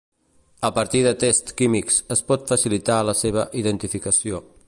A partir de tests químics es pot facilitar la seva identificació.